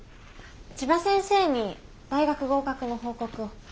千葉先生に大学合格の報告を。